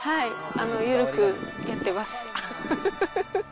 緩くやってます。